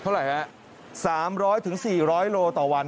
เท่าไรครับ๓๐๐๔๐๐โลต่อวัน